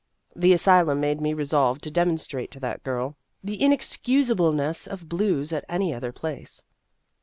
The asylum made me resolve to demon strate to that girl the inexcusableness of blues at any other place.